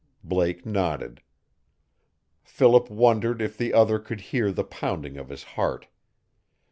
Blake nodded. Philip wondered if the other could hear the pounding of his heart.